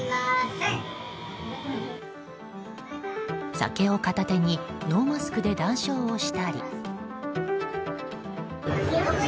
酒を片手にノーマスクで談笑をしたり。